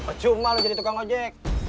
apa cuma lo jadi tukang ojek